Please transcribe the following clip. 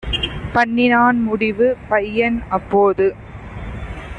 பண்ணினான் முடிவு! பையன் அப்போது